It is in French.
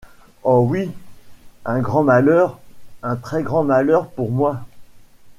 Oh! oui, un grand malheur, un très grand malheur, pour moi !